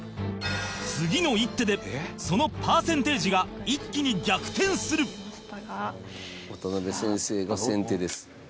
次の一手でそのパーセンテージが一気に逆転する高橋：渡辺先生が先手です。